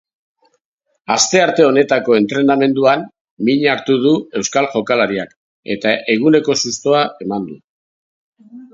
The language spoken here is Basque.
Astearte honetako entrenamenduan min hartu du euskal jokalariak eta eguneko sustoa eman du.